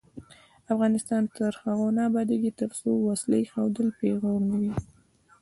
افغانستان تر هغو نه ابادیږي، ترڅو وسله ایښودل پیغور نه وي.